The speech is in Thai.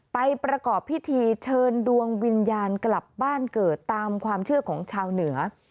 ประกอบพิธีเชิญดวงวิญญาณกลับบ้านเกิดตามความเชื่อของชาวเหนือ